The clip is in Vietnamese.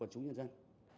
quân chú nhân dân